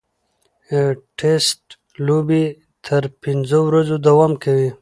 ټېسټ لوبې تر پنځو ورځو دوام کوي.